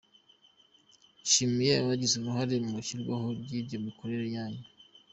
Nshimiye abagize uruhare mu ishyirwaho ryacyo n’imikorere yacyo.”